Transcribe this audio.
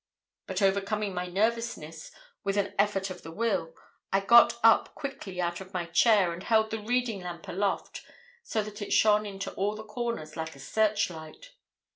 "But, overcoming my nervousness with an effort of the will, I got up quickly out of my chair and held the reading lamp aloft so that it shone into all the corners like a searchlight.